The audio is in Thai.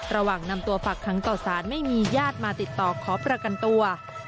ระหว่างนำตัวฝักขังต่อสารไม่มีญาติมาติดต่อขอประกันตัว